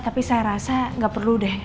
tapi saya rasa gak perlu deh